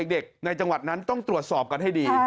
ในจังหวัดนั้นต้องตรวจสอบกันให้ดี